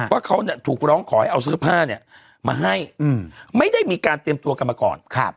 ว่าเขาถูกร้องขอให้เอาเสื้อผ้าเนี่ยมาให้ไม่ได้มีการเตรียมตัวกันมาก่อน